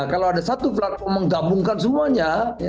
kalau ada satu platform menggabungkan semuanya